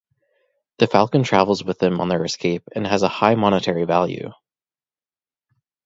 The falcon travels with them on their escape and has a high monetary value.